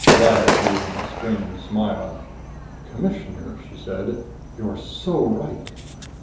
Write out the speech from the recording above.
Lyad gave him a strained smile. "Commissioner," she said, "You're so right!"